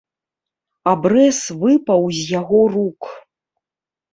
Абрэз выпаў з яго рук.